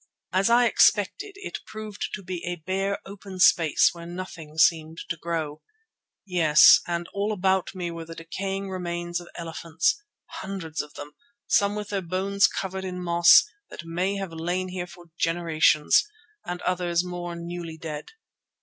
As I expected, it proved to be a bare, open space where nothing seemed to grow. Yes, and all about me were the decaying remains of elephants, hundreds of them, some with their bones covered in moss, that may have lain here for generations, and others more newly dead.